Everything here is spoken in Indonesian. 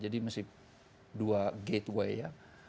jadi mesti dua gateway ya